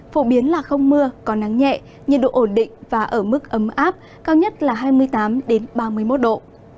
phổ biến là không mưa có nắng nhẹ nhiệt độ ổn định và ở mức ấm áp cao nhất là hai mươi tám ba mươi một độ